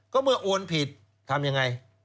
ก็เมื่อโอนผิดทำยังไง